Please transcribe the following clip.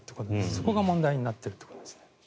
そこが問題になっているということですね。